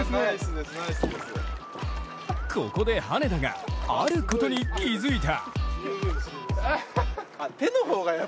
ここで羽根田があることに気付いた。